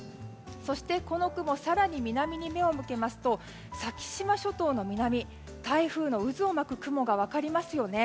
そしてこの雲更に南に目を向けますと先島諸島の南、台風の渦を巻く雲が分かりますよね。